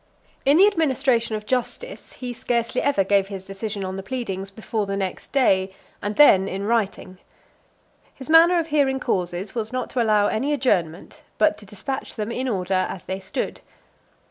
XV. In the administration of justice, he scarcely ever gave his decision on the pleadings before the next day, and then in writing. His manner of hearing causes was not to allow any adjournment, but to dispatch them in order as they stood.